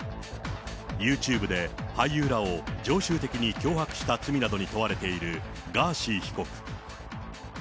ユーチューブで俳優らを常習的に脅迫した罪などに問われているガーシー被告。